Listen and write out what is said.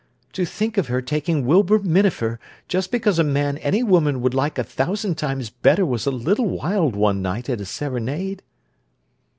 To think of her taking Wilbur Minafer, just because a man any woman would like a thousand times better was a little wild one night at a serenade!"